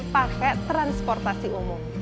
pakai transportasi umum